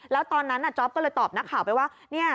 แล้วตอนนั้นจ๊อปก็เลยตอบนักข่าวไปว่า